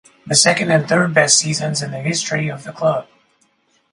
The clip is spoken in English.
The second and third best seasons in the history of the club.